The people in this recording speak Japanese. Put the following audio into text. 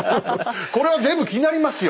これは全部気になりますよ。